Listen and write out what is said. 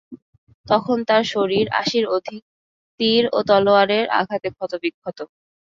তখন তার শরীর আশির অধিক তীর ও তলোয়ারের আঘাতে ক্ষত-বিক্ষত।